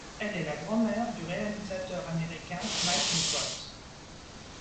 Elle est la grand-mère du réalisateur américain Mike Nichols.